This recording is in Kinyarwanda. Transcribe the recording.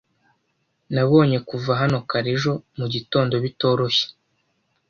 Nabonye kuva hano kare ejo mugitondo bitoroshye